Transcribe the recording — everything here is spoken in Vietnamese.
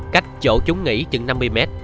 cách chỗ chúng nghỉ chừng năm mươi m